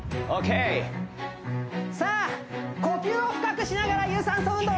さあ呼吸を深くしながら有酸素運動